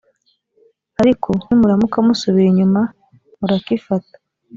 ariko nimuramuka musubiye inyuma murakifata.